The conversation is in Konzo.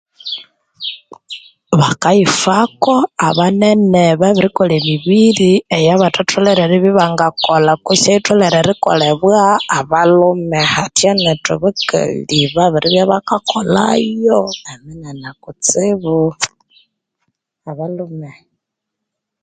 Bakayifako, abanene babirikolha emibiri eyabathatholere eribya ibanga kolha kutse eyitholere erikolebwa abalhume, hathya nethu abakali babiribya bakakolha ayo eminene kutsibu abalhume.